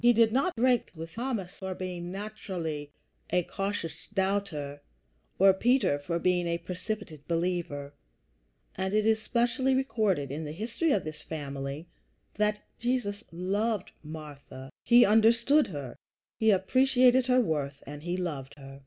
He did not break with Thomas for being naturally a cautious doubter, or Peter for being a precipitate believer; and it is specially recorded in the history of this family that Jesus loved Martha. He understood her, he appreciated her worth, and he loved her.